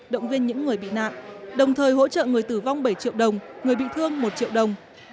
động viên những người bị nạn đồng thời hỗ trợ người tử vong bảy triệu đồng người bị thương một triệu đồng